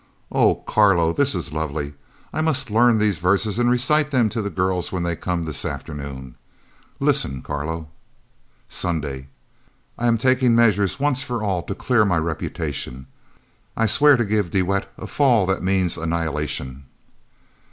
"Oh, Carlo, this is lovely! I must learn these verses and recite them to the girls when they come this afternoon! Listen, Carlo." FROM KITCHENER TO SECRETARY OF STATE FOR WAR Sunday I am taking measures once for all to clear my reputation; I swear to give de Wet a fall that means annihilation.